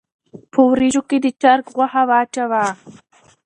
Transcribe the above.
په وريژو کښې د چرګ غوښه واچوه